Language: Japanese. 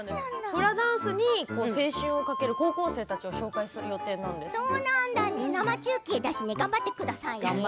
フラダンスに青春をかける高校生たちをご紹介する生中継だし頑張ってくださいね。